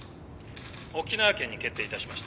沖縄県に決定いたしました。